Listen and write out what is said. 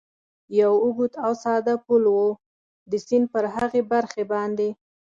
یو اوږد او ساده پل و، د سیند پر هغې برخې باندې.